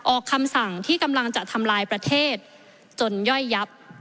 คำสั่งที่กำลังจะทำลายประเทศจนย่อยยับ